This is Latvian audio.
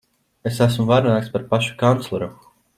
Es esmu varenāks par pašu kancleru.